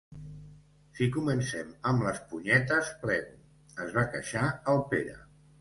Si comencem amb les punyetes plego —es va queixar el Pere.